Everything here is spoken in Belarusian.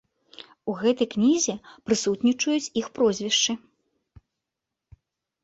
У гэтай кнізе прысутнічаюць іх прозвішчы.